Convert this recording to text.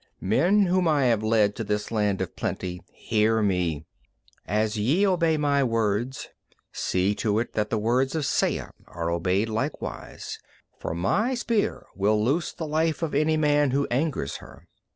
"Men whom I have led to this land of plenty, hear me. As ye obey my words, see to it that the words of Saya are obeyed likewise, for my spear will loose the life from any man who angers her.